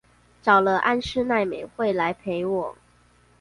找了安室奈美惠來陪我